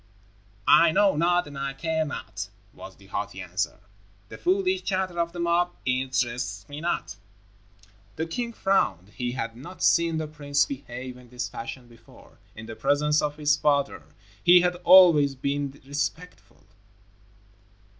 "I know not and I care not," was the haughty answer. "The foolish chatter of the mob interests me not." The king frowned. He had not seen the prince behave in this fashion before. In the presence of his father, he had always been respectful.